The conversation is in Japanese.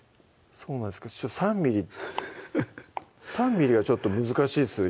そうなんですけど３ｍｍ３ｍｍがちょっと難しいっすね